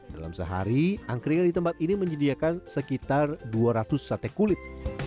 dalam sehari angkringan di tempat ini menyediakan sekitar dua ratus sate kulit